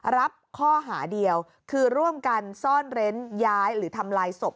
รับข้อหาเดียวคือร่วมกันซ่อนเร้นย้ายหรือทำลายศพ